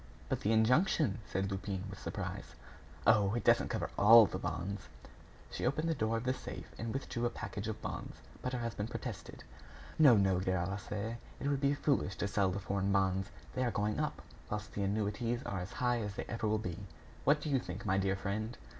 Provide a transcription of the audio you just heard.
"But the injunction?" said Lupin, with surprise. "Oh! it doesn't cover all the bonds." She opened the door of the safe and withdrew a package of bonds. But her husband protested. "No, no, Gervaise, it would be foolish to sell the foreign bonds. They are going up, whilst the annuities are as high as they ever will be. What do you think, my dear friend?"